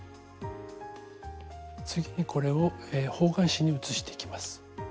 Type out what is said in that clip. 次にこれを方眼紙に写していきます。